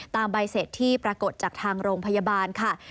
ใบเสร็จที่ปรากฏจากทางโรงพยาบาลค่ะ